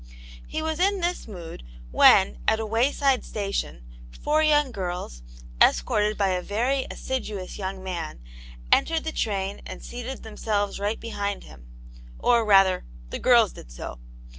He was in this mood when, at a wayside station, four young girls, escorted by a very assiduous young man, entered the train and seated themselves right behind him : or rather, the girls did so.